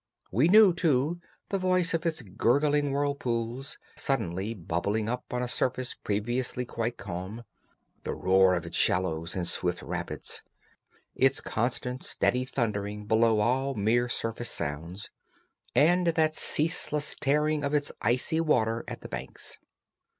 We knew, too, the voice of its gurgling whirlpools, suddenly bubbling up on a surface previously quite calm; the roar of its shallows and swift rapids; its constant steady thundering below all mere surface sounds; and that ceaseless tearing of its icy waters at the banks.